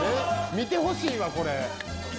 見てほしいわこれ。